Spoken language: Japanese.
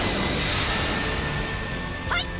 はい！